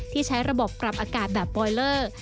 ที่ใช้ระบบปรับอากาศแบบบอยเลอร์